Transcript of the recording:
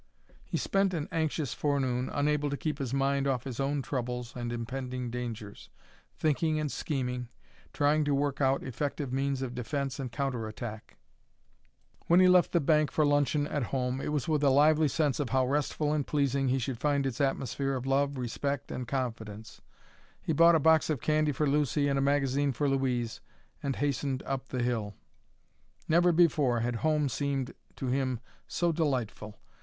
He spent an anxious forenoon, unable to keep his mind off his own troubles and impending dangers, thinking and scheming, trying to work out effective means of defence and counter attack. When he left the bank for luncheon at home, it was with a lively sense of how restful and pleasing he should find its atmosphere of love, respect, and confidence. He bought a box of candy for Lucy and a magazine for Louise, and hastened up the hill. Never before had home seemed to him so delightful.